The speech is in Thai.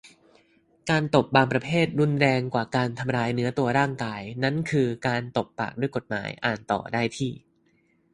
การตบบางประเภทรุนแรงกว่าการทำร้ายเนื้อตัวร่างกาย นั้นคือ การตบปากด้วยกฎหมาย อ่านต่อได้ที่